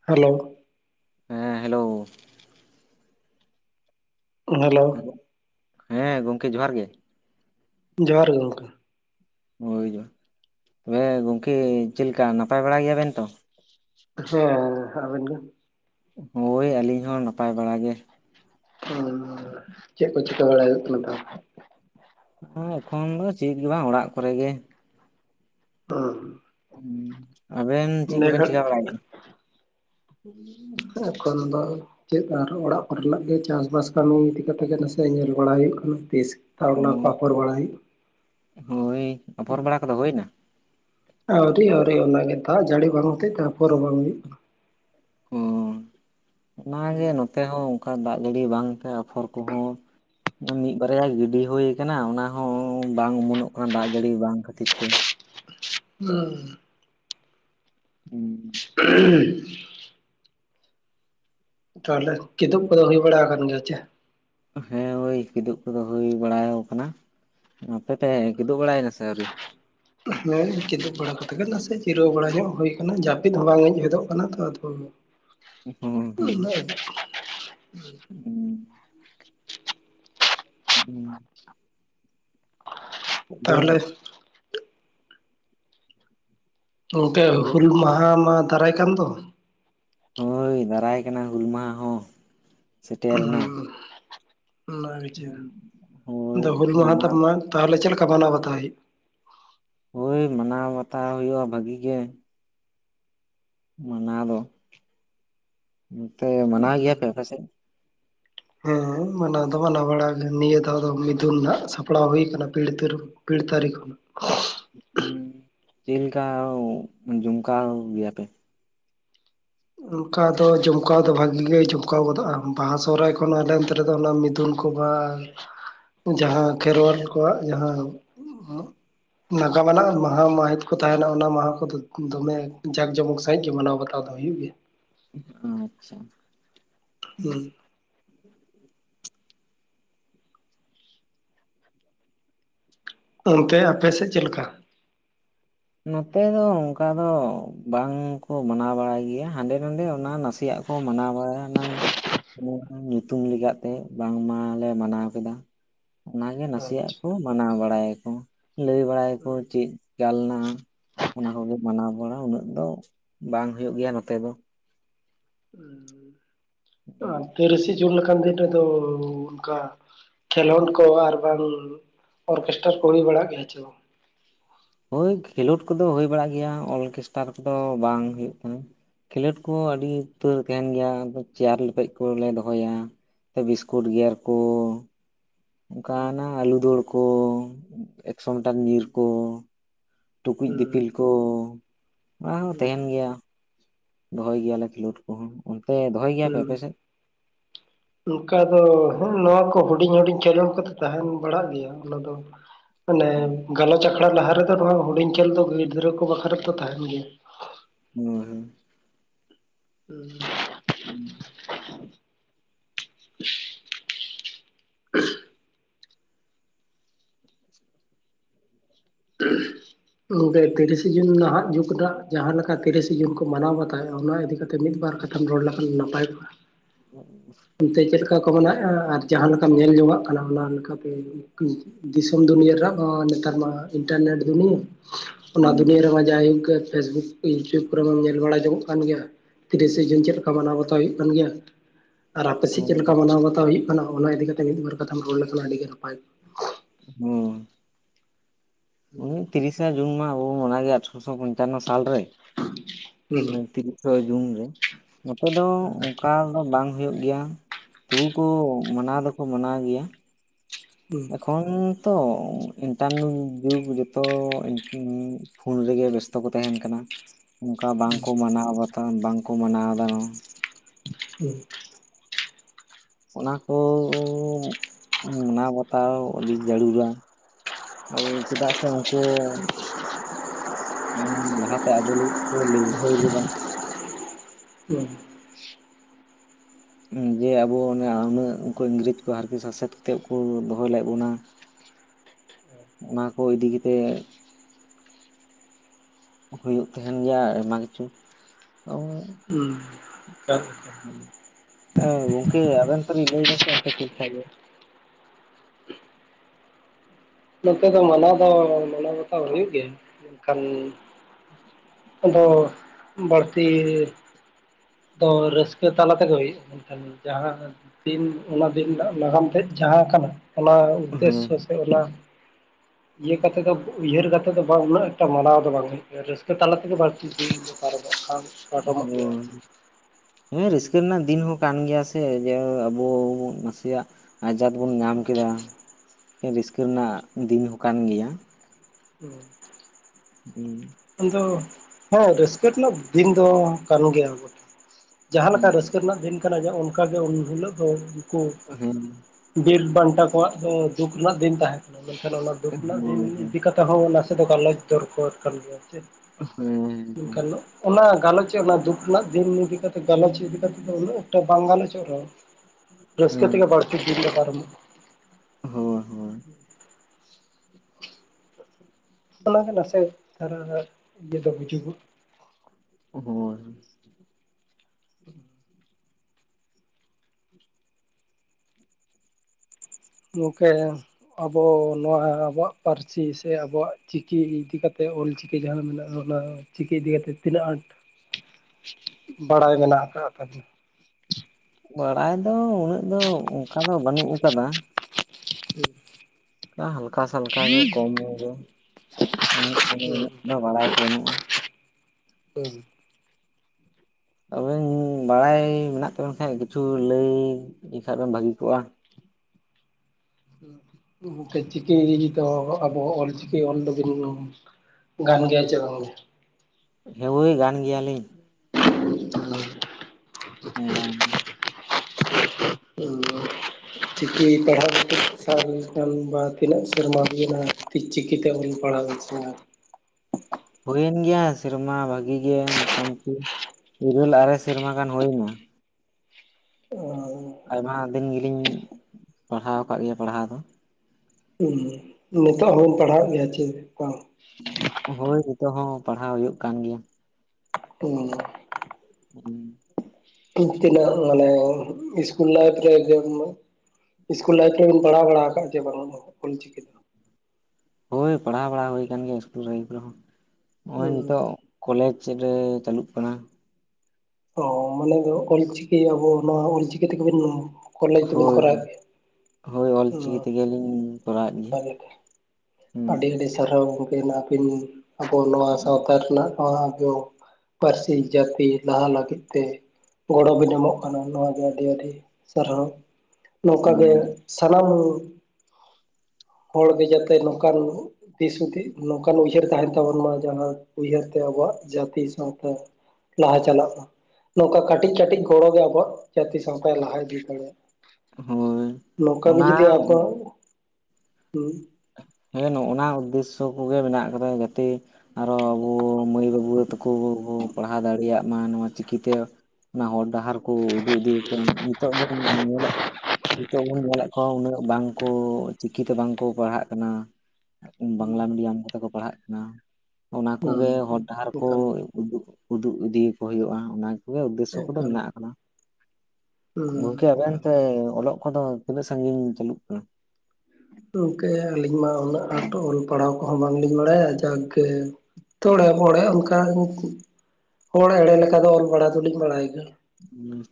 Hello ᱦᱮᱸ hello hello ᱦᱮᱸ ᱜᱚᱝᱠᱮ ᱡᱚᱦᱟᱨ ᱜᱮ ᱡᱚᱦᱟᱨ ᱜᱮ ᱜᱚᱢᱠᱮ [unintelligible] ᱛᱚᱵᱮ ᱜᱚᱝᱠᱮ ᱪᱮᱫ ᱞᱮᱠᱟ ᱱᱟᱯᱟᱭ ᱵᱟᱲᱟ ᱜᱮᱭᱟ ᱵᱮᱱ ᱛᱚ ᱟᱪᱪᱷᱟ ᱟᱵᱤᱱ ᱫᱚ ᱦᱳᱭ ᱟᱹᱞᱤᱧ ᱦᱚᱸ ᱱᱟᱯᱟᱭ ᱵᱟᱲᱟ ᱜᱮ ᱪᱮᱫ ᱠᱚ ᱪᱤᱠᱟᱹ ᱵᱟᱲᱟᱭ ᱦᱩᱭᱩᱜ ᱠᱟᱱᱟ ᱛᱟ ᱦᱚᱜ-ᱚᱭ ᱮᱠᱷᱚᱱ ᱫᱚ ᱪᱮᱫ ᱜᱮ ᱵᱟᱝ ᱚᱲᱟᱜ ᱠᱚᱨᱮ ᱜᱮ [unintelligible] ᱦᱩᱸ ᱮᱱᱠᱷᱟᱱ ᱠᱷᱟᱱ ᱫᱚ ᱪᱮᱫ ᱟᱨ ᱚᱲᱟᱜ ᱠᱚᱨᱮᱱᱟᱜ ᱜᱮ ᱪᱟᱥᱵᱟᱥ ᱠᱟᱹᱢᱤ ᱤᱫᱤ ᱠᱟ ᱠᱟᱛᱮᱜ ᱜᱮ ᱱᱟᱥᱮ ᱧᱮᱞ ᱵᱟᱲᱟ ᱦᱩᱭᱩᱜ ᱠᱟᱱᱟ ᱛᱤᱥ ᱛᱟᱨ ᱚ ᱚᱱᱟ ᱠᱚᱯᱚᱲ ᱵᱟᱲᱟᱭ ᱦᱳᱭ ᱟᱯᱷᱚᱨ ᱵᱟᱲᱟ ᱠᱚᱫᱚ ᱦᱩᱭᱱᱟ ᱟᱹᱶᱨᱤ ᱟᱹᱶᱨᱤ ᱚᱱᱟᱜᱮ ᱫᱟᱜ ᱡᱟᱹᱲᱤ ᱵᱟᱝ ᱦᱚᱛᱮᱡ ᱯᱟᱨᱚᱢᱚᱜ-ᱟ ᱚ ᱚᱱᱟᱜᱮ ᱱᱚᱛᱮ ᱦᱚᱸ ᱚᱱᱠᱟ ᱫᱟᱜ ᱡᱟᱹᱲᱤ ᱵᱟᱝᱛᱮ ᱟᱯᱷᱚᱨ ᱠᱚᱦᱚᱸ ᱚᱱᱟ ᱢᱤᱫ ᱵᱟᱨᱭᱟ ᱜᱤᱰᱤ ᱦᱩᱭ ᱟᱠᱟᱱᱟ ᱚᱱᱟ ᱦᱚᱸ ᱵᱟᱝ ᱚᱢᱚᱱᱚᱜ ᱠᱟᱱᱟ ᱫᱟᱜ ᱡᱟᱹᱲᱤ ᱵᱟᱝ ᱠᱷᱟᱹᱛᱤᱨ ᱛᱮ [unintelligible] ᱦᱩᱸ [inaudible] ᱛᱟᱦᱞᱮ ᱠᱤᱫᱟᱹᱜ ᱠᱚᱫᱚ ᱦᱩᱭ ᱵᱟᱲᱟ ᱠᱟᱱ ᱜᱮᱭᱟ ᱪᱮ ᱦᱮᱸ ᱳᱭ ᱠᱤᱫᱩᱵ ᱠᱚᱫᱚ ᱦᱩᱭ ᱵᱟᱲᱟ ᱠᱟᱱᱟ᱾ ᱟᱯᱮ ᱯᱮ ᱠᱤᱫᱩᱜ ᱵᱟᱲᱟᱭᱮᱱᱟ ᱥᱮ ᱟᱹᱣᱨᱤ? ᱦᱮᱸ ᱠᱤᱫᱩᱵ ᱵᱟᱲᱟ ᱠᱟᱛᱮ ᱜᱮ ᱱᱟᱥᱮ ᱡᱤᱨᱟᱹᱣ ᱵᱟᱲᱟ ᱧᱚᱜ ᱦᱩᱭ ᱟᱠᱟᱱᱟ, ᱡᱟᱹᱯᱤᱫ ᱦᱚᱸ ᱵᱟᱝ ᱦᱮᱡ ᱦᱚᱫᱚᱜ ᱠᱟᱱᱟ ᱛᱚ ᱟᱫᱚ ᱦᱩᱸ ᱦᱩᱸ [unintelligible] [unintelligible] [unintelligible] ᱛᱟᱦᱚᱞᱮ ᱟᱫᱚ ᱜᱚᱢᱠᱮ ᱦᱩᱞ ᱢᱟᱦᱟ ᱢᱟ ᱫᱟᱨᱟᱭ ᱠᱟᱱ ᱫᱚ ᱦᱳᱭ ᱫᱟᱨᱟᱭ ᱠᱟᱱᱟ ᱦᱩᱞ ᱢᱟᱦᱟ ᱦᱚᱸ ᱥᱮᱴᱮᱨ ᱮᱱᱟ ᱚᱱᱟ ᱜᱮᱪᱚ ᱦᱳᱭ ᱟᱫᱚ ᱦᱩᱞ ᱢᱟᱦᱟ ᱛᱚ ᱢᱟᱱᱟᱣ ᱢᱟ ᱛᱟᱦᱚᱞᱮ ᱪᱮᱫ ᱞᱮᱠᱟ ᱢᱟᱱᱟᱣ ᱵᱟᱛᱟᱣ ᱦᱩᱭᱩᱜ ᱦᱳᱭ ᱢᱟᱱᱟᱣ ᱵᱟᱛᱟᱣ ᱦᱩᱭᱩᱜ-ᱟ ᱵᱷᱟᱜᱤ ᱜᱮ᱾ ᱢᱟᱱᱟᱣ ᱫᱚ ᱱᱚᱛᱮ ᱢᱟᱱᱟᱣ ᱜᱮᱭᱟ ᱯᱮ ᱟᱯᱮᱥᱮᱫ ᱦᱮᱸ ᱢᱟᱱᱟ ᱫᱚ ᱢᱟᱱᱟᱣ ᱵᱟᱲᱟ ᱱᱤᱭᱟᱹ ᱫᱷᱟᱣ ᱫᱚ ᱢᱤᱫᱩᱱ ᱨᱮᱱᱟᱜ ᱥᱟᱯᱲᱟᱣ ᱦᱩᱭ ᱟᱠᱟᱱᱟ ᱯᱤᱲ ᱛᱟᱨᱤ ᱯᱤᱲ ᱛᱟᱨᱤ ᱠᱷᱚᱱᱟᱜ ᱪᱮᱫᱞᱮᱠᱟ ᱡᱚᱢᱠᱟᱣ ᱜᱮᱭᱟ ᱯᱮ ᱚᱱᱠᱟ ᱫᱚ ᱡᱚᱢᱠᱟᱣ ᱫᱚ ᱵᱷᱟᱹᱜᱤ ᱜᱮ ᱡᱚᱢᱠᱟᱣ ᱜᱚᱫᱚᱜ-ᱟ ᱵᱟᱦᱟ ᱥᱚᱦᱚᱨᱟᱭ ᱠᱷᱚᱱ ᱟᱞᱮ ᱚᱱᱛᱮ ᱨᱮᱫᱚ ᱚᱱᱟ ᱢᱤᱫᱩᱱ ᱠᱩ ᱢᱟ ᱡᱟᱦᱟᱸ ᱠᱷᱮᱨᱣᱟᱞ ᱠᱚᱣᱟᱜ ᱡᱟᱦᱟᱸ ᱱᱟᱜᱟᱢ ᱟᱱᱟᱜ ᱢᱟᱦᱟ ᱢᱟᱹᱦᱤᱛ ᱠᱚ ᱛᱟᱦᱮᱱᱟ ᱚᱱᱟ ᱢᱟᱦᱟ ᱠᱚᱫᱚ ᱫᱚᱢᱮ ᱡᱟᱸᱠ ᱡᱚᱢᱚᱠ ᱥᱟᱹᱦᱤᱡ ᱜᱮ ᱢᱟᱱᱟᱣ ᱵᱟᱛ ᱛᱟᱣ ᱟᱫᱚ ᱦᱩᱭᱩᱜ ᱜᱮᱭᱟ᱾ ᱟᱪᱪᱷᱟ ᱦᱩᱸ ᱚᱱᱛᱮ ᱟᱯᱮᱥᱮᱫ ᱪᱮᱫ ᱞᱮᱠᱟ? ᱱᱚᱛᱮ ᱫᱚ ᱚᱱᱠᱟ ᱫᱚ ᱵᱟᱝᱠᱩ ᱢᱟᱱᱟᱣ ᱵᱟᱲᱟᱭ ᱜᱮᱭᱟ ᱦᱟᱸᱰᱮ ᱱᱟᱰᱮ ᱚᱱᱟ ᱱᱟᱥᱮᱭᱟᱜ ᱠᱚ ᱠᱚ ᱢᱟᱱᱟᱣ ᱵᱟᱲᱟᱭᱟ ᱚᱱᱟ ᱱᱚᱣᱟ ᱧᱩᱛᱩᱢ ᱞᱮᱠᱟᱛᱮ ᱵᱟᱝ ᱢᱟᱞᱮ ᱢᱟᱱᱟᱣ ᱠᱮᱫᱟ᱾ ᱚᱱᱟᱜᱮ ᱱᱟᱥᱮᱭᱟᱜ ᱟᱪᱪᱷᱟ ᱠᱩ ᱢᱟᱱᱟᱣ ᱵᱟᱲᱟᱭᱟᱠᱚ ᱞᱟᱹᱭ ᱵᱟᱲᱟᱭᱟᱠᱚ ᱪᱮᱫ ᱪᱮᱠᱟᱞᱮᱠᱟ ᱚᱱᱟ ᱠᱚᱜᱮ ᱢᱟᱱᱟᱣ ᱵᱟᱲᱟ ᱩᱱᱟᱹᱜ ᱫᱚ ᱵᱟᱝ ᱦᱩᱭᱩᱜ ᱜᱮᱭᱟ ᱱᱚᱛᱮ ᱫᱚ ᱟᱨ ᱛᱤᱨᱤᱥᱟ ᱡᱩᱱ ᱞᱮᱠᱟᱱ ᱫᱤᱱ ᱨᱮᱫᱚ ᱚᱱᱠᱟ ᱠᱷᱮᱞᱳᱰ ᱠᱚ ᱟᱨ ᱵᱟᱝ ᱚᱨᱠᱮᱥᱴᱟᱨ ᱠᱚ ᱦᱩᱭ ᱵᱟᱲᱟᱜ ᱜᱮᱭᱟ ᱪᱮ ᱵᱟᱝ ᱦᱳᱭ ᱠᱷᱮᱞᱳᱰ ᱠᱚᱫᱚ ᱦᱩᱭ ᱵᱟᱲᱟᱜ ᱜᱮᱭᱟ ᱚᱨᱠᱮᱥᱴᱟᱨ ᱠᱚᱫᱚ ᱵᱟᱝ ᱦᱩᱭᱩᱜ ᱠᱟᱱᱟ᱾ ᱠᱷᱮᱞᱳᱰ ᱠᱚᱦᱚ ᱟᱹᱰᱤ ᱩᱛᱟᱹᱨ ᱛᱟᱦᱮᱱ ᱜᱮᱭᱟ ᱪᱮᱭᱟᱨ ᱨᱮᱯᱮᱡ ᱠᱚᱞᱮ ᱫᱚᱦᱚᱭᱟ ᱵᱤᱥᱠᱩᱴ ᱜᱮᱨ ᱠᱚ ᱚᱱᱠᱟᱟᱱᱟ ᱟᱞᱩ ᱫᱟᱹᱲ ᱠᱚ ᱮᱠᱥᱳ ᱢᱤᱴᱟᱨ ᱧᱤᱨ ᱠᱚ ᱴᱩᱠᱩᱡ ᱫᱤᱯᱤᱞ ᱠᱚ ᱚᱱᱟ ᱦᱚᱸ ᱛᱟᱦᱮᱱ ᱜᱮᱭᱟ᱾ ᱫᱚᱦᱚᱭ ᱜᱮᱭᱟᱞᱮ ᱠᱷᱮᱞᱳᱰ ᱠᱚᱦᱚᱸ ᱚᱱᱛᱮ ᱫᱚᱦᱚᱭ ᱦᱩᱸ ᱜᱮᱭᱟᱯᱮ ᱟᱯᱮᱥᱮᱫ ᱚᱱᱠᱟ ᱫᱚ ᱦᱮᱸ ᱱᱚᱣᱟ ᱠᱚ ᱦᱩᱰᱤᱧ ᱦᱩᱰᱤᱧ ᱠᱷᱮᱞᱳᱰ ᱠᱟᱛᱮ ᱛᱟᱦᱮᱱ ᱵᱟᱲᱟᱜ ᱜᱮᱭᱟ ᱚᱱᱟ ᱫᱚ ᱢᱟᱱᱮ ᱜᱟᱞᱚᱪ ᱟᱠᱷᱲᱟ ᱞᱟᱦᱟ ᱨᱮᱫᱚ ᱦᱩᱰᱤᱧ ᱪᱮᱞ ᱫᱚ ᱜᱤᱫᱽᱨᱟᱹ ᱠᱚ ᱵᱟᱠᱷᱨᱟ ᱫᱚ ᱛᱟᱦᱮᱱ ᱜᱮᱭᱟ᱾ ᱦᱩᱸ ᱦᱩᱸ ᱦᱩᱸ᱾ [inaudible] ᱛ [inaudible] ᱱᱚᱰᱮ ᱛᱤᱨᱤᱥᱮ ᱡᱩᱱ ᱱᱟᱦᱟᱜ ᱡᱩᱜᱽ ᱨᱮᱱᱟᱜ ᱡᱟᱦᱟᱸ ᱞᱮᱠᱟ ᱛᱤᱨᱤᱥᱮ ᱡᱩᱱ ᱠᱚ ᱢᱟᱱᱟᱣ ᱵᱟᱛᱟᱣᱮᱫᱼᱟ ᱚᱱᱟ ᱤᱫᱤᱠᱟ ᱠᱟᱛᱮ ᱢᱤᱫ ᱵᱟᱨ ᱠᱟᱛᱷᱟ ᱨᱚᱲ ᱞᱮᱠᱷᱟᱱ ᱱᱟᱯᱟᱭ ᱦᱩᱸ [inaudible] ᱚᱱᱛᱮ ᱪᱮᱫ ᱞᱮᱠᱟ ᱠᱚ ᱢᱮᱱᱟᱮᱫᱼᱟ ᱟᱨ ᱡᱟᱦᱟᱸ ᱞᱮᱠᱟᱢ ᱧᱮᱞ ᱡᱚᱝᱟᱜ ᱠᱟᱱᱟ ᱚᱱᱟ ᱞᱮᱠᱟᱛᱮ ᱫᱤᱥᱚᱢ ᱫᱩᱱᱤᱭᱟᱹ ᱨᱮᱭᱟᱜ ᱫᱚ ᱱᱮᱛᱟᱨ ᱢᱟ ᱤᱱᱴᱟᱨᱱᱮᱴ ᱫᱩᱱᱤᱭᱟᱹ ᱚᱱᱟ ᱦᱩᱸ ᱫᱩᱱᱤᱭᱟᱹᱟᱹ ᱨᱮᱢᱟ ᱡᱟᱭᱦᱳᱠ ᱯᱷᱮᱥᱵᱩᱠ ᱤᱭᱩᱴᱩᱵᱽ ᱠᱚ ᱧᱮᱞ ᱵᱟᱲᱟ ᱧᱚᱝᱚᱜ ᱠᱟᱱ ᱜᱮᱭᱟ ᱛᱤᱨᱤᱥᱮ ᱡᱚᱱ ᱪᱮᱫ ᱞᱮᱠᱟ ᱢᱟᱱᱟᱣ ᱵᱟᱛᱟᱣ ᱦᱩᱭᱩᱜ ᱠᱟᱱ ᱜᱮᱭᱟ᱾ ᱟᱨ ᱟᱯᱮ ᱥᱮᱫ ᱦᱩᱸ ᱪᱮᱫ ᱞᱮᱠᱟ ᱢᱟᱱᱟᱣ ᱵᱟᱛᱟᱣ ᱦᱩᱭᱩᱜ ᱠᱟᱱᱟ ᱚᱱᱟ ᱤᱫᱤᱠᱟ ᱠᱟᱛᱮ ᱢᱤᱫ ᱵᱟᱨ ᱠᱟᱛᱷᱟᱢ ᱨᱚᱲ ᱞᱮᱠᱷᱟᱱ ᱟᱹᱰᱤ ᱱᱟᱯᱟᱭ ᱦᱩᱸ᱾ ᱦᱩᱸ ᱛᱤᱨᱤᱥᱟ ᱡᱩᱱ ᱢᱟ ᱟᱵᱚ ᱵᱚᱱ ᱢᱟᱱᱟ ᱜᱮᱭᱟ ᱟᱴᱷᱨᱚᱥᱚ ᱯᱚᱧᱪᱟᱱᱱᱚ ᱥᱟᱞᱨᱮ ᱦᱩᱸ ᱛᱤᱨᱤᱥᱟ ᱡᱩᱱ ᱨᱮ ᱱᱚᱛᱮ ᱫᱚ ᱚᱱᱠᱟ ᱫᱚ ᱵᱟᱝ ᱦᱩᱭᱩᱜ ᱜᱮᱭᱟ᱾ ᱛᱩᱵᱩ ᱠᱚ ᱢᱟᱱᱟᱣ ᱫᱚᱠᱚ ᱢᱟᱱᱟᱣ ᱜᱮᱭᱟ᱾ ᱮᱠᱷᱚᱱ ᱛᱚ ᱤᱱᱴᱟᱨᱱᱮᱴ ᱡᱩᱜᱽ ᱡᱚᱛᱚ ᱯᱷᱩᱱ ᱨᱮᱜᱮ ᱵᱮᱥᱛᱚ ᱠᱚ ᱛᱟᱦᱮᱱ ᱠᱟᱱᱟ ᱚᱱᱠᱟ ᱵᱟᱝᱠᱚ ᱢᱟᱱᱟᱣ ᱵᱟᱛᱟᱣ ᱵᱟᱝᱠᱚ ᱢᱟᱱᱟᱣ ᱮᱫᱟ ᱱᱚ ᱦᱮᱸ ᱚᱱᱟ ᱠᱚ ᱢᱟᱱᱟᱣ ᱵᱟᱛᱟᱣ ᱟᱹᱰᱤ ᱡᱟᱹᱨᱩᱲᱟ ᱟ [unintelligible] ᱪᱮᱫᱟᱜ ᱥᱮ ᱩᱱᱠᱩ ᱞᱛᱮᱵᱚᱞ ᱦ ᱵᱟᱝ [unintelligible] [unintelligible] ᱡᱮ ᱟᱵᱚ ᱚᱱᱮ ᱩᱱᱟᱹᱜ ᱩᱱᱠᱩ ᱤᱝᱨᱮᱡᱽ ᱠᱚ ᱦᱟᱨᱠᱮᱛ ᱥᱟᱥᱮᱛ ᱠᱟᱛᱮᱜ ᱠᱚ ᱫᱚᱦᱚᱭ ᱞᱮᱫ ᱵᱚᱱᱟ ᱚᱱᱟ ᱠᱚ ᱤᱫᱤ ᱠᱟᱛᱮ ᱦᱩᱭᱩᱜ ᱛᱟᱦᱮᱱ ᱜᱮᱭᱟ ᱟᱭᱢᱟ ᱠᱤᱪᱷᱩ ᱦᱩᱸ [unintelligible] ᱜᱚᱝᱠᱮ ᱟᱵᱮᱱ ᱯᱟᱨᱤ ᱞᱟᱹᱭ ᱢᱮᱥᱮ ᱚᱱᱛᱮ ᱴᱷᱤᱠ ᱴᱷᱟᱠ ᱜᱮ ᱱᱚᱛᱮ ᱫᱚ ᱢᱟᱱᱟᱣ ᱫᱚ ᱢᱟᱱᱟᱣ ᱵᱟᱛᱟᱣ ᱦᱩᱭᱩᱜ ᱜᱮᱭᱟ ᱢᱮᱱᱠᱷᱟᱱ ᱟᱫᱚ ᱵᱟᱹᱲᱛᱤ ᱛ ᱨᱟᱹᱥᱠᱟᱹ ᱛᱟᱞᱟ ᱛᱮᱜᱮ ᱦᱩᱭᱩᱜᱼᱟ ᱡᱟᱦᱟᱸ ᱫᱤᱱ ᱚᱱᱟ ᱫᱤᱱ ᱨᱮᱱᱟᱜ ᱱᱟᱜᱟᱢ ᱛᱮᱫ ᱡᱟᱦᱟᱸ ᱠᱟᱱᱟ ᱚᱱᱟ ᱩᱫᱽᱫᱮᱥᱥᱚ ᱦᱮᱸ ᱥᱮ ᱚᱱᱟ ᱤᱭᱟᱹ ᱠᱟᱛᱮ ᱫᱚ ᱩᱭᱦᱟᱹᱨ ᱠᱟᱛᱮᱫ ᱫᱚ ᱵᱟᱝ ᱩᱱᱟᱹᱜ ᱴᱟᱜ ᱢᱟᱱᱟᱣ ᱫᱚ ᱵᱟᱝ ᱦᱩᱭᱩᱜ ᱠᱟᱱᱟ ᱨᱟᱹᱥᱠᱟᱹ ᱛᱟᱞᱟ ᱛᱮᱜᱮ ᱵᱟᱲᱛᱤ ᱫᱚ ᱚᱱᱠᱟ ᱨᱮᱫᱚᱜ ᱠᱷᱟᱱ᱾ ᱦᱚᱭ ᱦᱮᱸ ᱦᱩᱸ ᱨᱟᱹᱥᱠᱟᱹ ᱨᱮᱱᱟᱜ ᱫᱤᱱ ᱦᱚᱸ ᱠᱟᱱ ᱜᱮᱭᱟ ᱥᱮ ᱡᱮ ᱟᱵᱩ ᱱᱟᱥᱮᱭᱟᱜ ᱟᱡᱟᱛ ᱵᱩᱱ ᱧᱟᱢ ᱠᱮᱫᱟ ᱨᱟᱹᱥᱠᱟᱹ ᱨᱮᱱᱟᱜ ᱫᱤᱱ ᱦᱚᱸ ᱠᱟᱱ ᱜᱮᱭᱟ ᱦᱮᱸ᱾ ᱦᱮᱸ᱾ ᱟᱫᱚ ᱦᱮᱸ ᱨᱟᱹᱥᱠᱟᱹ ᱨᱮᱱᱟᱜ ᱫᱤᱱ ᱫᱚ ᱠᱟᱱ ᱜᱮᱭᱟ ᱟᱵᱚᱷᱮᱱ ᱡᱟᱦᱟᱸ ᱞᱮᱠᱟ ᱨᱟᱹᱥᱠᱟᱹ ᱨᱮᱱᱟᱜ ᱫᱤᱱ ᱠᱟᱱᱟ ᱡᱚ ᱚᱱᱠᱟᱜᱮ ᱩᱱ ᱦᱤᱞᱳᱜ ᱫᱚ ᱩᱱᱠᱩ ᱦᱮᱸ ᱵᱤᱨ ᱵᱟᱱᱴᱟ ᱠᱚᱣᱟᱜ ᱫᱚ ᱫᱩᱠ ᱨᱮᱱᱟᱜ ᱫᱤᱱ ᱛᱟᱦᱮᱸ ᱠᱟᱱᱟ ᱢᱮᱱᱠᱷᱟᱱ ᱚᱱᱟ ᱫᱩᱠ ᱨᱮᱱᱟᱜ ᱫᱤᱱ ᱦᱳᱭ ᱦᱳᱭ ᱤᱫᱤ ᱠᱟᱛᱮ ᱦᱚᱸ ᱱᱟᱥᱮ ᱫᱚ ᱠᱟᱱ ᱜᱟᱞᱚᱡᱽ ᱫᱚᱨᱠᱟᱨ ᱠᱟᱱ ᱜᱮᱭᱟ ᱪᱮ ᱦᱩᱸ ᱦᱩᱸ ᱚᱱᱟ ᱜᱟᱞᱚᱪ ᱪᱮ ᱚᱱᱟ ᱫᱩᱠ ᱨᱮᱱᱟᱜ ᱫᱤᱱ ᱤᱫᱤ ᱠᱟᱛᱮᱜ ᱜᱟᱞᱚᱪ ᱤᱫᱤ ᱠᱟᱛᱮ ᱫᱚ ᱩᱱᱟᱹᱜ ᱮᱠᱴᱟ ᱵᱟᱝ ᱜᱟᱱᱦᱚᱪᱟ ᱨᱮᱦᱚᱸ ᱨᱚᱥᱠᱟᱹ ᱦᱮᱸ ᱛᱮᱜᱮ ᱵᱟᱹᱲᱛᱤ ᱫᱤᱱ ᱫᱚ ᱯᱟᱨᱚᱢ ᱦᱳᱭ ᱦᱳᱭ ᱚᱱᱟ ᱠᱟᱱᱟᱥᱮ ᱫᱷᱟᱨᱟ ᱦᱟᱨᱟ ᱤᱭᱟᱹ ᱫᱚ ᱵᱩᱡᱩᱜᱚᱜ ᱦᱚᱭ [inaudible] ᱱᱩᱠᱮᱭᱟᱝ [unintelligible] ᱟᱵᱚ ᱱᱚᱣᱟ ᱟᱵᱚᱣᱟᱜ ᱯᱟᱹᱨᱥᱤ ᱥᱮ ᱟᱵᱚᱣᱟᱜ ᱪᱤᱠᱤ ᱤᱫᱤ ᱠᱟᱛᱮ ᱚᱞ ᱪᱤᱠᱤ ᱡᱟᱦᱟᱸ ᱢᱮᱱᱟᱜ-ᱟ ᱚᱱᱟ ᱪᱤᱠᱤ ᱤᱫᱤ ᱠᱟᱛᱮ ᱛᱤᱱᱟᱹᱜ ᱟᱸᱴ ᱵᱟᱲᱟᱭ ᱢᱮᱱᱟᱜ ᱠᱟᱜ-ᱟ ᱵᱟᱲᱟᱭ ᱫᱚ ᱩᱱᱟᱹᱜ ᱫᱚ ᱚᱱᱠᱟ ᱫᱚ ᱵᱟᱹᱱᱩᱜ ᱠᱟᱫᱟ [unintelligible] ᱠᱟ ᱦᱟᱞᱠᱟ ᱥᱟᱞᱠᱟ ᱜᱮ ᱠᱚᱢ ᱜᱮ ᱩᱱᱟᱹᱜ ᱫᱚ ᱵᱟᱲᱟᱭ ᱠᱚ ᱵᱟᱹᱱᱩᱜ-ᱟ ᱦᱩᱸ ᱟᱵᱮᱧ ᱵᱟᱲᱟᱭ ᱢᱮᱱᱟᱜ ᱛᱟᱵᱮᱱ ᱠᱷᱟᱡ ᱠᱤᱪᱷᱩ ᱞᱟᱹᱭ ᱞᱮᱠᱷᱟᱜ ᱫᱚᱢ ᱵᱷᱟᱹᱜᱤ ᱠᱚᱜ-ᱟ ᱪᱤᱠᱤ ᱫᱚ ᱟᱵᱚ ᱚᱞ ᱪᱤᱠᱤ ᱚᱞ ᱫᱚᱵᱤᱱ ᱜᱟᱱ ᱜᱮᱭᱟ ᱪᱮ ᱵᱟᱝᱜᱮ ᱦᱮᱣᱟᱹᱭ ᱜᱟᱱ ᱜᱮᱭᱟᱞᱤᱧ [unintelligible] ᱧᱮᱞᱟᱝ [unintelligible] [unintelligible] ᱪᱤᱠᱤ ᱯᱟᱲᱦᱟᱣ ᱠᱟᱛᱮ [inaudible] ᱛᱤᱱᱟᱹᱜ ᱥᱮᱨᱢᱟ ᱦᱩᱭᱱᱟ ᱪᱤᱠᱤ ᱛᱮ ᱚᱞ ᱯᱟᱲᱦᱟᱣ ᱦᱚᱸ ᱦᱩᱭᱮᱱ ᱜᱮᱭᱟ ᱥᱮᱨᱢᱟ ᱵᱷᱟᱜᱤ ᱜᱮ ᱢᱚᱴᱟᱢᱩᱴᱤ ᱤᱨᱟᱹᱞ ᱟᱨᱮ ᱥᱮᱨᱢᱟ ᱜᱟᱱ ᱦᱩᱭ ᱱᱟ ᱟᱭᱢᱟ ᱫᱤᱱ ᱜᱮᱞᱤᱧ ᱯᱟᱲᱦᱟᱣ ᱠᱟᱜ ᱜᱮᱭᱟ ᱯᱟᱲᱦᱟᱣ ᱫᱚ ᱩᱸᱦ ᱱᱤᱛᱚᱜ ᱦᱚᱸᱵᱤᱱ ᱯᱟᱲᱦᱟᱜ ᱜᱮᱭᱟ ᱪᱮ ᱵᱟᱝ ᱦᱚᱭ ᱱᱤᱛᱚᱜ ᱦᱚᱸ ᱯᱟᱲᱦᱟᱣ ᱦᱩᱭᱩᱜ ᱠᱟᱱ ᱜᱮᱭᱟ [unintelligible] [unintelligible] ᱛᱤᱱ ᱛᱤᱱᱟᱹᱜ ᱢᱟᱱᱮ ᱤᱥᱠᱩᱞ ᱞᱟᱭᱤᱯᱷ ᱨᱮ ᱡᱮ ᱤᱥᱠᱩᱞ ᱞᱟᱭ ᱛᱮᱢ ᱯᱟᱲᱦᱟᱣ ᱵᱟᱲᱟ ᱠᱟᱜ ᱜᱮᱭᱟ ᱚᱞᱪᱤᱠᱤ ᱦᱳᱭ ᱯᱟᱲᱦᱟᱣ ᱵᱟᱲᱟ ᱦᱩᱭ ᱠᱟᱱ ᱜᱮᱭᱟ ᱤᱥᱠᱩᱞ ᱨᱟᱭᱤᱯᱷ ᱨᱮᱦᱚᱸ ᱦᱚᱜ-ᱚᱭ ᱦᱩᱸ ᱱᱤᱛᱚᱜ ᱠᱚᱞᱮᱡᱽ ᱨᱮ ᱪᱟᱹᱞᱩᱜ ᱠᱟᱱᱟ ᱚ ᱢᱟᱱᱮ ᱫᱚ ᱚᱞ ᱪᱤᱠᱤ ᱟᱵᱚ ᱢᱟ ᱚᱞᱪᱤᱠᱤ ᱛᱮᱜᱮ ᱵᱮᱱ ᱠᱚᱞᱮᱡᱽ ᱫᱚᱵᱤᱱ ᱦᱳᱭ ᱠᱚᱨᱟᱣ ᱦᱳᱭ ᱚᱞᱪᱤᱠᱤ ᱛᱮᱜᱮᱞᱤᱧ ᱠᱚᱨᱟᱣᱮᱫ ᱜᱮᱭᱟ ᱟᱜᱩ [inaudible] ᱦᱩᱸ ᱟᱹᱰᱤ ᱟᱹᱰᱤ ᱥᱟᱨᱦᱟᱣ ᱜᱚᱢᱠᱮ ᱱᱟᱦᱟᱜ ᱵᱤᱱ ᱟᱵᱚ ᱱᱚᱣᱟ ᱥᱟᱶᱛᱟ ᱨᱮᱱᱟᱜ ᱱᱚᱣᱟᱫᱚ ᱯᱟᱹᱨᱥᱤ ᱡᱟᱹᱛᱤ ᱞᱟᱦᱟ ᱞᱟᱹᱜᱤᱫ ᱛᱮ ᱜᱚᱲᱚ ᱵᱤᱱ ᱮᱢᱚᱜ ᱠᱟᱱᱟ ᱱᱚᱣᱟ ᱜᱮ ᱟᱹᱰᱤ ᱟᱹᱰᱤ ᱥᱟᱨᱦᱟᱣ ᱱᱚᱝᱠᱟᱜᱮ ᱦᱩᱸ ᱥᱟᱱᱟᱢ ᱦᱚᱲᱜᱮ ᱡᱟᱛᱮ ᱱᱚᱠᱟᱱ ᱫᱤᱥ ᱦᱩᱫᱤ ᱱᱚᱝᱠᱟᱱ ᱩᱭᱦᱟᱹᱨ ᱛᱟᱦᱮᱱ ᱛᱟᱵᱚᱱ ᱢᱟ ᱡᱟᱦᱟᱸ ᱩᱭᱦᱟᱹᱨ ᱛᱮ ᱟᱵᱚᱣᱟᱜ ᱡᱟᱹᱛᱤ ᱥᱟᱶᱛᱟ ᱞᱟᱦᱟ ᱪᱟᱞᱟᱜ-ᱟ ᱱᱚᱝᱠᱟ ᱠᱟᱹᱴᱤᱡ ᱠᱟᱹᱴᱤᱡ ᱜᱚᱲᱚ ᱜᱮᱭᱟᱠᱚ ᱡᱟᱹᱛᱤ ᱥᱟᱶᱛ ᱞᱟᱦᱟ ᱤᱫᱤ ᱫᱟᱲᱮᱭᱟᱜ ᱦᱳᱭ ᱱᱚᱝᱠᱟ ᱜᱮ ᱚᱱᱟ ᱡᱩᱫᱤ ᱟᱠᱚ ᱦᱩᱸ ᱦᱮᱸ ᱱᱚᱜ-ᱚ ᱱᱟ ᱩᱫᱽᱫᱮᱥᱥᱚ ᱠᱚᱜᱮ ᱢᱮᱱᱟᱜ ᱠᱟᱫᱟ ᱡᱟᱛᱮ ᱟᱨᱚ ᱟᱵᱚ ᱢᱟᱹᱭ ᱵᱟᱹᱵᱩ ᱛᱟᱠᱚ ᱯᱟᱲᱦᱟᱣ ᱫᱟᱲᱮᱭᱟᱜ ᱢᱟ ᱱᱚᱣᱟ ᱪᱤᱠᱤᱛᱮ ᱚᱱᱟ ᱦᱚᱨ ᱰᱟᱦᱟᱨ ᱠᱚ ᱩᱫᱩᱜ ᱫᱤᱠᱚᱣᱟ ᱱᱤᱛᱚᱜ ᱵᱚᱱ ᱧᱮᱞᱮᱫ ᱱᱤᱛᱚᱜ ᱵᱚᱱ ᱧᱮᱞᱮᱜ ᱠᱚᱣᱟ ᱩᱱᱟᱹᱜ ᱵᱟᱝᱠᱚ ᱪᱤᱠᱤᱛᱮ ᱵᱟᱝᱠᱚ ᱯᱟᱲᱦᱟᱜ ᱠᱟᱱᱟ᱾ ᱵᱟᱝᱞᱟ ᱢᱤᱰᱤᱭᱟᱢ ᱠᱚᱛᱮ ᱠᱚ ᱯᱟᱲᱦᱟᱜ ᱠᱟᱱᱟ ᱚᱱᱟᱠᱚᱜᱮ ᱦᱩᱸ ᱦᱚᱨ ᱰᱟᱦᱟᱨ ᱦᱩᱸ ᱠᱚ ᱮᱠᱟᱞ ᱩᱫᱩᱜ ᱩᱫᱩᱜ ᱤᱫᱤᱭᱟᱠᱚ ᱦᱩᱭᱩᱜ-ᱟ ᱚᱱᱟ ᱠᱚᱜᱮ ᱩᱫᱮᱥᱥᱚ ᱠᱚᱫᱚ ᱮᱠᱟᱞ ᱢᱮᱱᱟᱜ ᱠᱟᱫᱟ ᱜᱚᱝᱠᱮ ᱦᱩᱸ ᱟᱵᱮᱱ ᱮᱠᱟᱞ ᱛᱮ ᱚᱞᱚᱜ ᱠᱚᱫᱚ ᱛᱤᱱᱟᱹᱜ ᱥᱟᱺᱜᱤᱧ ᱪᱟᱹᱞᱩᱜ ᱠᱟᱱᱟ ᱜᱚᱝᱠᱮ ᱟᱹᱞᱤᱧ ᱢᱟ ᱩᱱᱟᱹᱜ ᱟᱸᱴ ᱚᱞ ᱯᱟᱲᱦᱟᱣ ᱠᱚᱦᱚᱸ ᱵᱟᱝᱞᱤᱧ ᱵᱟᱲᱟᱭᱟ ᱡᱟᱠ ᱜᱮ ᱛᱚᱲᱮ ᱵᱚᱲᱮ ᱚᱝᱠᱟ ᱦᱚᱲ ᱮᱲᱮ ᱞᱮᱠᱟ ᱫᱚ ᱚᱞ ᱯᱟᱲᱦᱟ ᱫᱚᱞᱤᱧ ᱵᱟᱲᱟᱭ ᱜᱮ᱾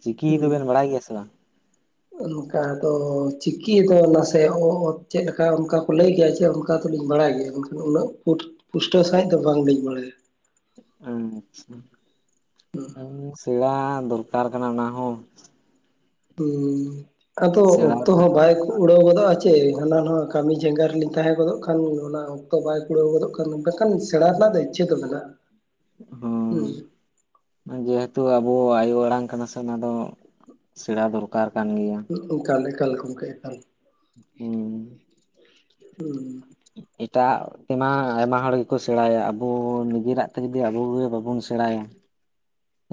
ᱪᱤᱠᱤ ᱫᱚᱵᱤᱱ ᱵᱟᱰᱟᱭ ᱜᱮᱭᱟ ᱥᱮ ᱵᱟᱝ? ᱚᱱᱠᱟ ᱫᱚ ᱪᱤᱠᱤ ᱫᱚ ᱱᱟᱥᱮ ᱚ ᱛ ᱪᱮᱫᱞᱮᱠᱟ ᱚᱱᱠᱟ ᱠᱚ ᱞᱟᱹᱭ ᱜᱮᱭᱟ ᱡᱮ ᱚᱱᱠᱟ ᱫᱚᱞᱤᱧ ᱵᱟᱲᱟᱭ ᱜᱮᱭᱟ ᱢᱮᱱᱠᱷᱟᱱ ᱩᱱᱟᱹᱜ ᱯᱩᱥᱴᱟᱹ ᱥᱟᱦᱤᱡ ᱫᱚ ᱵᱟᱝᱞᱤᱧ ᱵᱟᱲᱟᱭᱟ ᱟᱪᱪᱷᱟ [inaudible] ᱥᱮᱬᱟ ᱫᱚᱨᱠᱟᱨ ᱠᱟᱱᱟ ᱚᱱᱟ ᱦᱚᱸ ᱦᱩᱸ ᱟᱫᱚ ᱥᱮᱬᱟ ᱚᱠᱛᱚ ᱦᱚᱸ ᱵᱟᱭ ᱩᱲᱟᱹᱣ ᱜᱚᱫᱚᱜᱼᱟ ᱪᱮ ᱦᱟᱱᱟ ᱱᱚᱣᱟ ᱠᱟᱹᱢᱤ ᱡᱟᱸᱜᱟ ᱨᱮᱞᱤᱧ ᱛᱟᱦᱮᱸ ᱜᱚᱫᱚᱜ ᱠᱷᱟᱱ ᱚᱱᱟ ᱚᱠᱛᱚ ᱵᱟᱭ ᱠᱩᱲᱟᱹᱣ ᱜᱚᱫᱚᱜ ᱠᱟᱱ ᱵᱟᱠᱷᱟᱱ ᱥᱮᱬᱟ ᱨᱮᱱᱟᱜ ᱫᱚ ᱤᱪᱪᱷᱟᱹ ᱫᱚ ᱢᱮᱱᱟᱜᱼᱟ ᱦᱩᱸ ᱦᱚᱸ ᱡᱮᱦᱮᱛᱩ ᱟᱵᱚ ᱟᱭᱳ ᱟᱲᱟᱝ ᱠᱟᱱᱟ ᱥᱮ ᱚᱱᱟ ᱫᱚ ᱥᱮᱬᱟ ᱫᱚᱨᱠᱟᱨ ᱠᱟᱱ ᱜᱮᱭᱟ᱾ ᱮᱠᱟᱞ ᱮᱠᱟᱞ ᱜᱚᱝᱠᱮ ᱮᱠᱟᱞ ᱦᱩᱸ ᱦᱩᱸ ᱮᱴᱟᱼᱟᱜ ᱛᱮᱢᱟ ᱟᱭᱢᱟ ᱦᱚᱲ ᱜᱮᱠᱚ ᱥᱮᱬᱟᱭᱟ ᱟᱵᱚ ᱱᱤᱡᱮᱨᱟᱜ ᱛᱮ ᱡᱩᱫᱤ ᱟᱵᱚᱜᱮ ᱵᱟᱵᱚᱱ ᱥᱮᱬᱟᱭᱟ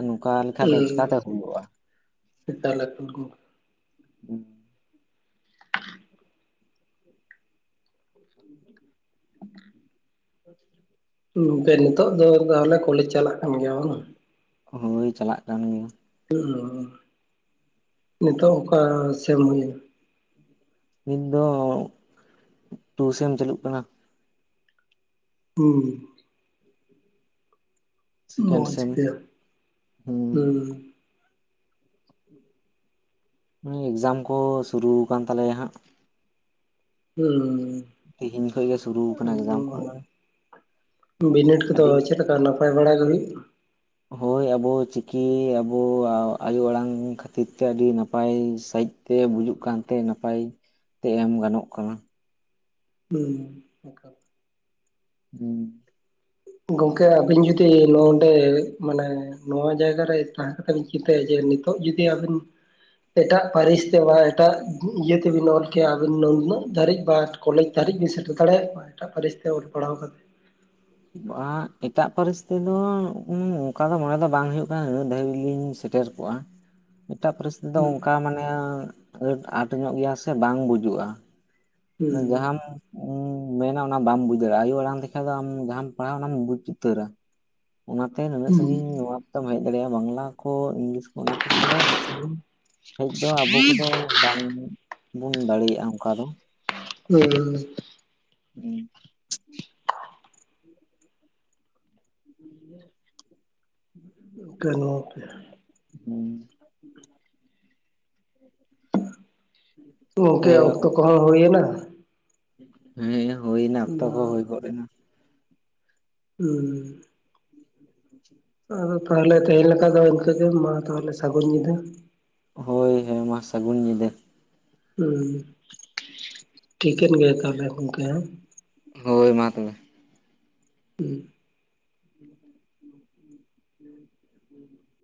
ᱱᱚᱝᱠᱟ ᱞᱮᱠᱷᱟᱡ ᱫᱚ ᱪᱮᱠᱟᱛᱮ ᱦᱩᱭᱩᱜᱼᱟ ᱮᱠᱟᱞ ᱮᱠᱫᱟᱢ ᱜᱚᱝᱠᱮ ᱦᱮᱸ [inaudible] [inaudible] [inaudible] ᱜᱚᱝᱠᱮ ᱱᱤᱛᱚᱜ ᱫᱚ ᱛᱟᱦᱚᱞᱮ ᱠᱚᱞᱮᱡᱽ ᱪᱟᱞᱟᱜ ᱠᱟᱱ ᱜᱮᱭᱟ ᱵᱟᱝ-ᱟ ᱦᱳᱭ ᱪᱟᱞᱟᱜ ᱠᱟᱱ ᱜᱮᱭᱟ᱾ ᱱᱤᱛᱚᱜ ᱚᱠᱟ ᱥᱮᱢ ᱦᱩᱭᱮᱱᱟ? ᱱᱤᱛ ᱫᱚ ᱴᱩ ᱥᱮ ᱥᱮᱢ ᱪᱟᱹᱞᱩᱜ ᱠᱟᱱᱟ᱾ ᱦᱩᱸ ᱥᱮᱠᱮᱱᱰ ᱥᱮᱢ ᱢᱚᱡᱽᱛᱮ ᱦᱩᱸ ᱮᱠᱡᱟᱢ ᱠᱚ ᱥᱩᱨᱩ ᱠᱟᱱ ᱛᱟᱞᱮᱭᱟ ᱦᱟᱸᱜ ᱦᱩᱸ ᱛᱤᱦᱤᱧ ᱠᱷᱚᱡ ᱜᱮ ᱥᱩᱨᱩ ᱠᱟᱱᱟ ᱮᱠᱡᱟᱢ ᱮᱠᱫᱚᱢ ᱠᱚ ᱵᱤᱱᱤᱰ ᱠᱚᱫᱚ ᱟᱹᱰᱤ ᱪᱮᱫ ᱞᱮᱠᱟ ᱱᱟᱯᱟᱭ ᱵᱟᱲᱟ ᱜᱮ ᱦᱩᱭᱩᱜ ᱠᱟᱱᱟ ᱦᱳᱭ ᱟᱵᱚ ᱪᱤᱠᱤ ᱟᱵᱚ ᱟᱭᱳ ᱟᱲᱟᱝ ᱠᱷᱟᱹᱛᱤᱨ ᱛᱮ ᱟᱹᱰᱤ ᱱᱟᱯᱟᱭ ᱥᱟᱺᱦᱤᱡ ᱛᱮ ᱵᱩᱡᱩᱜ ᱠᱟᱱ ᱛᱮ ᱱᱟᱯᱟᱭ ᱛᱮ ᱮᱢ ᱜᱟᱱᱚᱜ ᱠᱟᱱᱟ ᱦᱮᱸ ᱦᱩᱸ ᱜᱚᱝᱠᱮ ᱟᱵᱤᱱ ᱡᱩᱫᱤ ᱱᱚᱰᱮ ᱢᱟᱱᱮ ᱱᱚᱣᱟ ᱡᱟᱭᱜᱟ ᱨᱮ ᱛᱟᱦᱮᱸ ᱠᱟᱛᱮᱢ ᱪᱤᱱᱛᱟᱹᱭᱟ ᱡᱮ ᱱᱤᱛᱚᱜ ᱡᱩᱫᱤ ᱟᱹᱵᱤᱱ ᱮᱴᱟᱜ ᱯᱟᱹᱨᱤᱥ ᱛᱮ ᱵᱟ ᱮᱴᱟᱜ ᱤᱭᱟᱹ ᱛᱮᱵᱤᱱ ᱚᱞ ᱠᱮᱭᱟ ᱟᱹᱵᱤᱱ ᱱᱩᱱᱟᱹᱜ ᱫᱷᱟᱹᱨᱤᱡ ᱵᱟᱴ ᱠᱚᱞᱮᱡᱽ ᱫᱷᱟᱹᱨᱤᱡ ᱵᱮᱱ ᱥᱮᱴᱮᱨ ᱫᱟᱲᱮᱭᱟᱜ ᱠᱚᱭᱟ ᱮᱴᱟᱜ ᱯᱟᱹᱨᱤᱥ ᱛᱮ ᱚᱞ ᱯᱟᱲᱦᱟᱣ ᱠᱟ ᱠᱟᱛᱮ ᱵᱟᱝ ᱮᱴᱟᱜ ᱯᱟᱹᱨᱤᱥ ᱛᱮᱫᱚ ᱫᱚ ᱚᱱᱠᱟ ᱫᱚ ᱢᱚᱲᱮ ᱫᱚ ᱵᱟᱝ ᱦᱩᱭᱩᱜ ᱠᱟᱱᱟ ᱩᱱᱟᱹᱜ ᱫᱷᱟᱹᱵᱤᱡ ᱞᱤᱧ ᱥᱮᱴᱮᱨ ᱠᱚᱜᱼᱟ ᱮᱴᱟᱜ ᱯᱟᱨᱤᱥ ᱫᱚ ᱦᱩᱸ ᱱᱴᱢᱟᱱᱮ ᱟᱴ ᱟᱴ ᱧᱚᱜ ᱜᱮᱭᱟ ᱥᱮ ᱵᱟᱝ ᱵᱩᱡᱩᱜᱼᱟ ᱦᱩᱸ ᱡᱟᱦᱟᱸᱢ ᱩ ᱢᱮᱱᱟ ᱚᱱᱟ ᱵᱟᱢ ᱵᱩᱡᱽ ᱫᱟᱲᱮᱭᱟᱜᱼᱟ ᱟᱭᱩ ᱟᱲᱟᱝ ᱛᱮᱠᱷᱟᱡ ᱫᱚ ᱟᱢ ᱡᱟᱦᱟᱸᱟᱢ ᱯᱟᱲᱦᱟᱜᱼᱟ ᱚᱱᱟᱢ ᱵᱩᱡᱽ ᱩᱛᱟᱹᱨᱟ ᱚᱱᱟᱛᱮ ᱱᱩᱱᱟᱹᱜ ᱦᱩᱸ ᱥᱟᱺᱜᱤᱧ ᱱᱚᱣᱟ ᱠᱚᱛᱮᱚᱢ ᱦᱮᱡ ᱫᱟᱲᱮᱭᱟᱜᱼᱟ ᱵᱟᱝᱞᱟ ᱠᱚ ᱤᱝᱞᱤᱥ ᱠᱚ ᱚᱱᱟ ᱠᱚᱛᱮ ᱫᱚ ᱵᱤᱥᱤ ᱥᱟᱺᱜᱤᱧ ᱦᱮᱡ ᱫᱚ ᱟᱵᱚ ᱠᱚᱫᱚ ᱵᱟᱝ ᱵᱚᱱ ᱫᱟᱲᱮᱭᱟᱜᱼᱟ ᱚᱱᱠᱟ ᱫᱚ ᱦᱩᱸ [unintelligible] ᱦᱮᱸ [inaudible] [unintelligible] ᱦᱮᱸ [inaudible] ᱛᱮ ᱜᱚᱢᱠᱮ ᱚᱠᱛᱚ ᱠᱚ ᱦᱚᱸ ᱦᱩᱭ ᱮᱱᱟ ᱦᱮᱸᱤᱧᱟᱜ ᱦᱩᱭᱱᱟ ᱚᱠᱛᱚ ᱟᱫᱚ ᱠᱚᱦᱚ ᱦᱩᱭ ᱜᱚᱫ ᱮᱱᱟ ᱦᱩᱸ ᱟᱫᱚ ᱛᱟᱦᱚᱞᱮ ᱛᱮᱦᱮᱧᱞᱮᱠᱟ ᱫᱚ ᱤᱱᱠᱟᱹᱜᱮ ᱢᱟ ᱛᱟᱦᱚᱞᱮ ᱥᱟᱹᱜᱩᱱ ᱧᱤᱫᱟ ᱦᱳᱭ ᱦᱮᱸ ᱢᱟ ᱥᱟᱹᱜᱩᱱ ᱧᱤᱫᱟᱹ ᱦᱩᱸ ᱴᱷᱤᱠᱟᱹᱱ ᱜᱮᱭᱟ ᱛᱟᱦᱚᱞᱮ ᱜᱚᱢᱠᱮ ᱦᱳᱭ ᱢᱟ ᱛᱚᱵᱮ ᱦᱸ [inaudible]